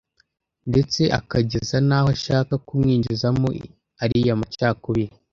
Ndetse akageza n’aho ashaka kumwinjizamo ariya macakubiri